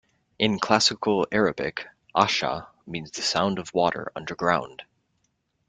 In Classical Arabic, Ahsa means the sound of water underground.